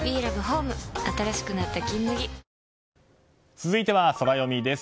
続いてはソラよみです。